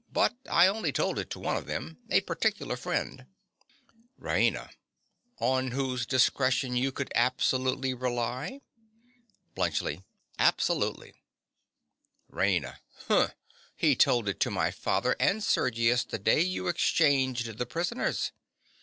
But I only told it to one of them—a particular friend. RAINA. On whose discretion you could absolutely rely? BLUNTSCHLI. Absolutely. RAINA. Hm! He told it all to my father and Sergius the day you exchanged the prisoners.